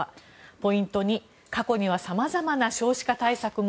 ポイント２、過去にはさまざまな少子化対策も。